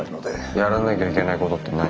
やらなきゃいけないことって何？